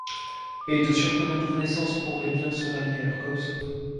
Et de surprenantes connaissances pourraient bien se rallier à leur cause...